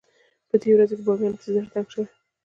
په دې ورځو کې بامیانو پسې زړه تنګ شوی.